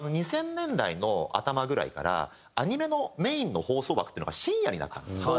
２０００年代の頭ぐらいからアニメのメインの放送枠っていうのが深夜になったんですよ。